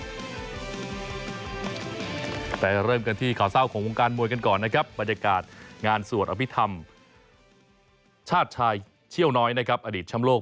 วันนี้จะเป็นวันสุดท้ายที่สาราหกวัดประสีมหาธาตุบังเคณหลังจากเสร็จสิ้นการสวดอภิกษ์ธรรมจะยังไม่มีงานชาวปฏิกิจนะครับ